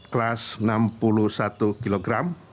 kelas enam puluh satu kg